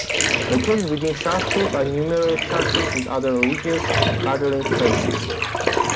Located within Sharpsburg are numerous churches and other religious gathering places.